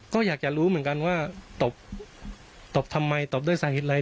ก็อยากจะรู้เหมือนกันว่าตบตบทำไมตบด้วยสาเหตุอะไร